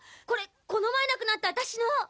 これこの前なくなったあたしの！